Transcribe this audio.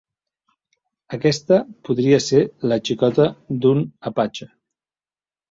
Aquesta podria ser la xicota d'un apatxe.